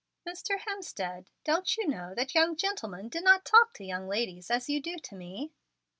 "Mr. Hemstead, don't you know that young gentlemen do not talk to young ladies as you do to me?"